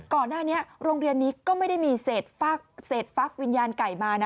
ก่อนหน้านี้โรงเรียนนี้ก็ไม่ได้มีเศษฟักวิญญาณไก่มานะ